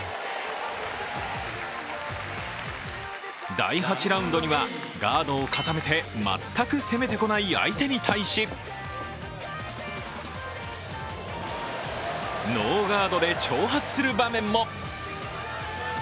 第８ラウンドには、ガードを固めて全く攻めてこない相手に対しノーガードで挑発する場面も。